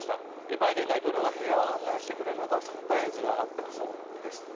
バイデン大統領は部屋を案内してくれるなどサプライズがあったそうなんです。